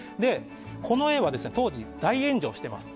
この絵は、当時大炎上しています。